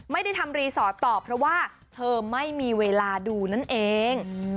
ไม่ได้ทำรีสอร์ทต่อเพราะว่าเธอไม่มีเวลาดูนั่นเอง